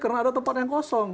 tapi dia ada tempat yang kosong